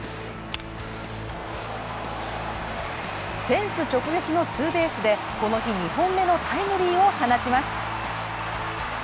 フェンス直撃のツーベースでこの日２本目のタイムリーを放ちます。